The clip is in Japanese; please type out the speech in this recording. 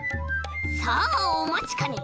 さあおまちかね。